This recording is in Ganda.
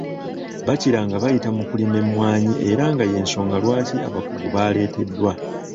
Bakira nga bayita mu kulima emmwanyi era nga y’ensonga lwaki abakugu baleeteddwa.